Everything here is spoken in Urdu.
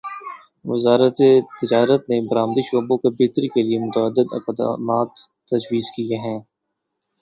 وزارت تجارت نے برآمدی شعبے کو بہتری کیلیے متعدد اقدامات تجویز کیے ہیں